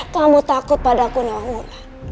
kamu takut padaku nawangula